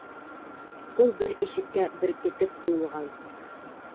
Ә ул бер ишеккә беркетеп ҡуйылған.